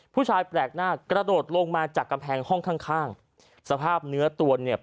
ผู้ชายแปลกหน้ากระโดดลงมาจากกำแพงห้องข้างข้างสภาพเนื้อตัวเนี่ย